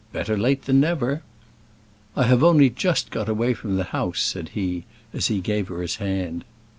"Better late than never." "I have only just got away from the House," said he, as he gave her his hand.